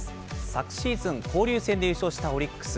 昨シーズン、交流戦で優勝したオリックス。